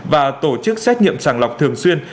và tổ chức xét nghiệm sàng lọc thường xuyên